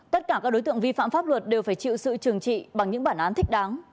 tất cả các đối tượng vi phạm pháp luật đều phải chịu sự trừng trị bằng những bản án thích đáng